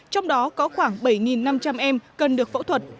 trong đó có khoảng bảy năm trăm linh em cần được phẫu thuật